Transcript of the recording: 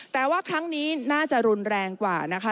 แต่ว่าครั้งนี้น่าจะรุนแรงกว่านะคะ